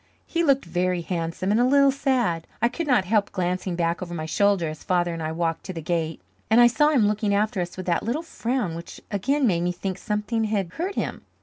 He looked very handsome and a little sad. I could not help glancing back over my shoulder as Father and I walked to the gate, and I saw him looking after us with that little frown which again made me think something had hurt him.